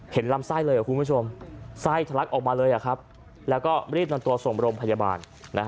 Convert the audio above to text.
เห็นลำไส้เลยเหรอคุณผู้ชมไส้ถลักออกมาเลยเหรอครับแล้วก็รีบนอนตัวสมบรมพยาบาล